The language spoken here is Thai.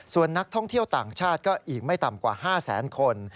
ส่วนนักท่องเที่ยวต่างชาติก็อีกไม่ต่ำกว่า๕แสนคน